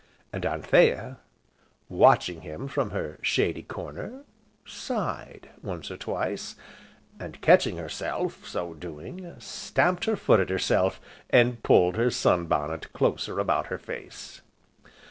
And Anthea, watching him from her shady corner, sighed once or twice, and catching herself, so doing, stamped her foot at herself, and pulled her sunbonnet closer about her face.